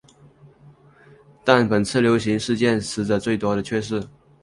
但本次流行事件死者最多的却是青壮年。